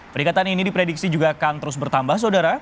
peringatan ini diprediksi juga akan terus bertambah saudara